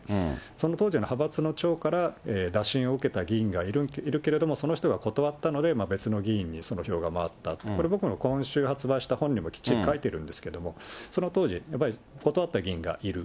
その当時の派閥の長から打診を受けた議員がいるけれど、その人は断ったので別の議員にその票が回った、これはこの僕の今週発売した本にもきっちり書いているんですけど、その当時、やっぱり断った議員がいる。